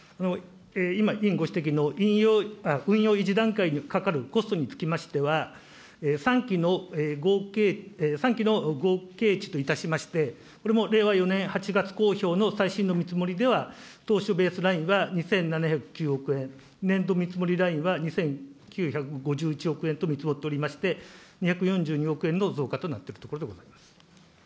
今、委員ご指摘の運用維持段階にかかるコストにつきましては、３機の合計値といたしまして、これも令和４年８月公表の最新の見積もりでは、当初ベースラインは２７０９億円、年度見積もりラインは２９５１億円と見積もっておりまして、２４２億円の増加となっているところでございます。